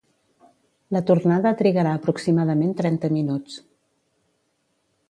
La tornada trigarà aproximadament trenta minuts.